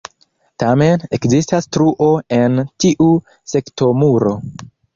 Tamen ekzistas truo en tiu sektomuro.